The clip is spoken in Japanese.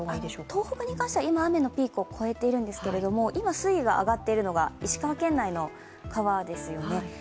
東北に関しては今、雨のピークを越えているんですけれども、今、水位が上がっているのは石川県内の川ですよね。